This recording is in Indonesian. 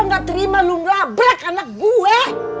gue gak terima lu nrabrak anak gue